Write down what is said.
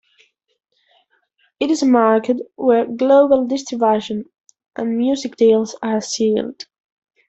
It is a market where global distribution and music deals are sealed.